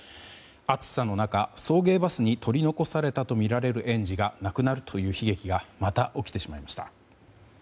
暑さの中、送迎バスに取り残されたとみられる園児が亡くなるという悲劇がまた起きてしまいました。